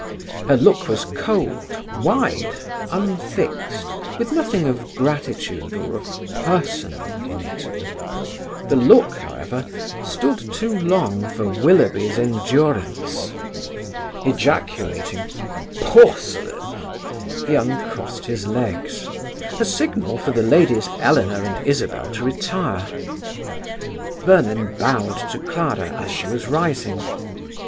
Her look was cold, wide, unfixed, with nothing of gratitude or of personal in it. The look, however, stood too long for Willoughby's endurance. Ejaculating "Porcelain!" he uncrossed his legs; a signal for the ladies Eleanor and Isabel to retire. Vernon bowed to Clara as she was rising.